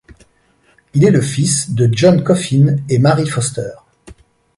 Il est le fils de John Coffin et Mary Foster.